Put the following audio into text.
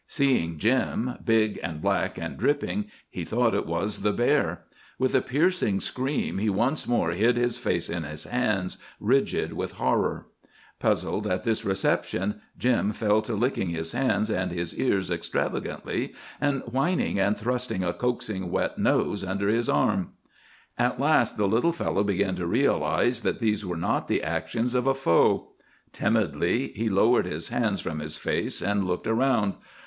Seeing Jim, big and black and dripping, he thought it was the bear. With a piercing scream he once more hid his face in his hands, rigid with horror. Puzzled at this reception, Jim fell to licking his hands and his ears extravagantly, and whining and thrusting a coaxing wet nose under his arms. At last the little fellow began to realize that these were not the actions of a foe. Timidly he lowered his hands from his face, and looked around.